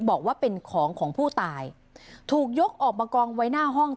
บอกว่าเป็นของของผู้ตายถูกยกออกมากองไว้หน้าห้อง